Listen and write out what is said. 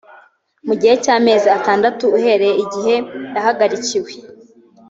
mu gihe cy amezi atandatu uhereye igihe yahagarikiwe